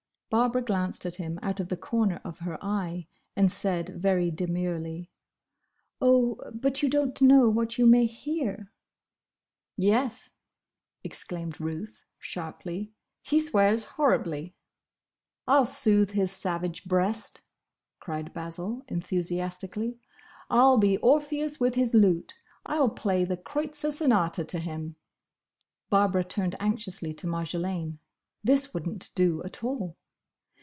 Barbara glanced at him out of the corner of her eye, and said very demurely, "Oh, but you don't know what you may hear." "Yes," exclaimed Ruth, sharply, "he swears horribly." "I'll soothe his savage breast!" cried Basil, enthusiastically. "I 'll be Orpheus with his Lute! I 'll play the Kreutzer Sonata to him!" Barbara turned anxiously to Marjolaine: this wouldn't do at all!